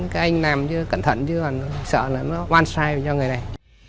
cái anh làm cẩn thận chứ còn sợ là nó one side cho người này